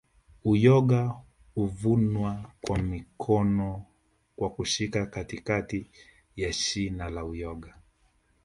Uyoga huvunwa kwa mkono kwa kushika katikati ya shina la uyoga